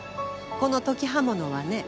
この土岐刃物はね